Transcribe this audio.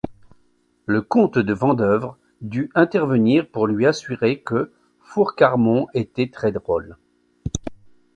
Le comte de Vandeuvres dut intervenir pour lui assurer que Foucarmont était très drôle.